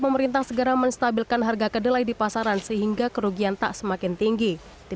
pemerintah segera menstabilkan harga kedelai di pasaran sehingga kerugian tak semakin tinggi